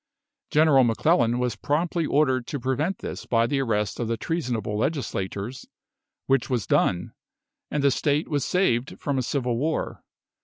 General M'Clellan was promptly ordered to prevent this by the arrest of the treasonable legislators, which was done, and the state was saved from a civil war.